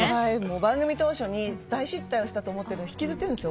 番組当初に大失態をしたと思ったの、引きずってるんですよ。